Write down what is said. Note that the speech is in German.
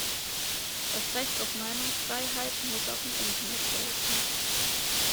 Das Recht auf Meinungsfreiheit muss auch im Internet gelten.